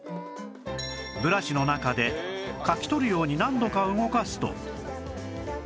ブラシの中でかき取るように何度か動かすと